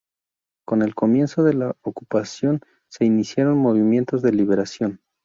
Con el comienzo de la ocupación se iniciaron movimientos de liberación.